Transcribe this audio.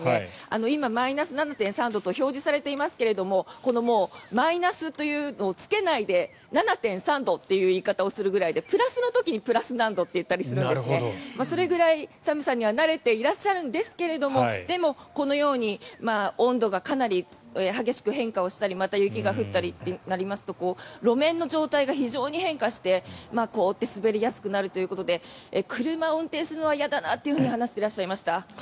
今、マイナス７．３度と表示されていますがマイナスというのをつけないで７．３度という言い方をするぐらいでプラスの時にプラス何度と言ったりするそれぐらい寒さには慣れていらっしゃるんですがでも、このように温度がかなり激しく変化をしたりまた雪が降ったりとなりますと路面の状態が非常に変化して、凍って滑りやすくなるということで車を運転するのは嫌だなと話していらっしゃいました。